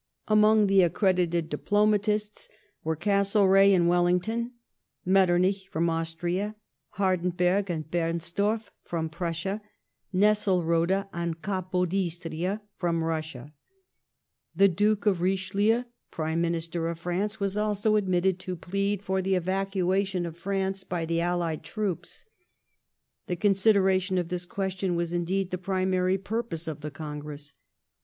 Among the accredited diplomatists were Castlereagh and Welling ton, Metternich from Austria, Hardenberg and BemstorfF from Prussia, Nesselrode and Capo D'Istria from Russia. The Duke of Richelieu, Prime Minister of France, was also admitted to plead ^4^for the evacuation of France by the allied troops. The consider ation of this question was indeed the primary purpose of the Con gress.